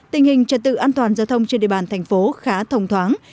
tình hình trật tự an toàn giao thông trên địa bàn thành phố khá thông thoáng